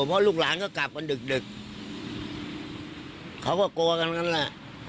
เพราะลูกหลานก็กลับกันดึกเขาก็กลัวกันนั่นแหละ